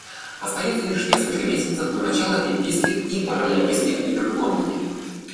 Остается лишь несколько месяцев до начала Олимпийских и Паралимпийских игр в Лондоне.